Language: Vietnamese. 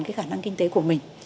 cái khả năng kinh tế của mình